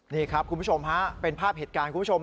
นี่ครับคุณผู้ชมฮะเป็นภาพเหตุการณ์คุณผู้ชม